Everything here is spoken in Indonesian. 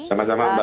sama sama mbak mery